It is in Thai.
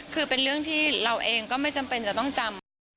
คือเป็นเรื่องที่เราเองก็ไม่จำเป็นจะต้องจำ